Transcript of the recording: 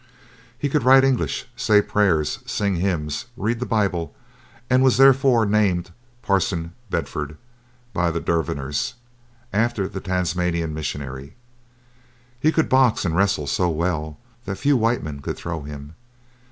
He could write English, say prayers, sing hymns, read the Bible, and was therefore named Parson Bedford by the Derviners, after the Tasmanian Missionary. He could box and wrestle so well that few white men could throw him.